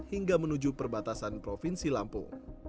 hingga menuju perbatasan provinsi lampung